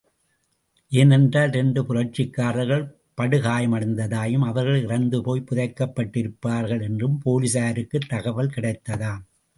ஏனென்றால் இரண்டு புரட்சிக்காரர்கள் படுகாயமடைந்ததாயும் அவர்கள், இறந்து போய்ப் புதைக்கப்பட்டிருப்பார்கள் என்றும் போலிஸாருக்குத் தகவல் கிடைத்ததாம்.